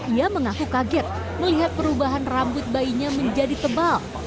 ia mengaku kaget melihat perubahan rambut bayinya menjadi tebal